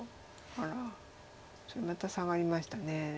あらまた下がりました。